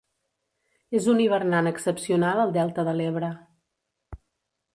És un hivernant excepcional al delta de l'Ebre.